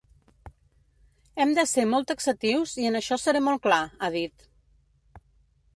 Hem de ser molt taxatius i en això seré molt clar, ha dit.